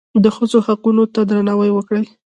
د ښځو حقوقو ته درناوی وکړئ